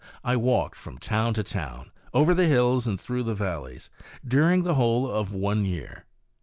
I walked from town to town, over the hills and through the valleys, during the whole of one year.